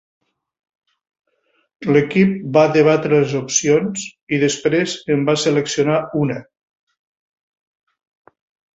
L'equip va debatre les opcions i després en va seleccionar una.